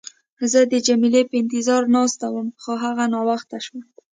زه د جميله په انتظار ناست وم، خو هغه ناوخته شوه.